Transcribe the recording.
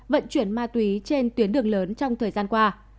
vận chuyển ma túy trên tuyến đường lớn trong thời gian qua